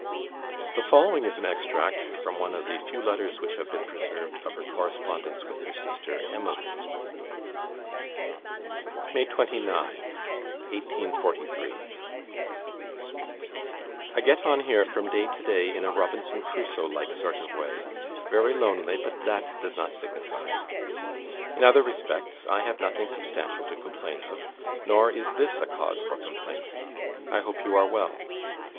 The following is an extract, from one of the few letters which have been preserved, of her correspondence with her sister Emily: "May 29, 1843 "I get on here from day to day in a Robinson Crusoe like sort of way, very lonely, but that does not signify. In other respects, I have nothing substantial to complain of, nor is this a cause for complaint. I hope you are well.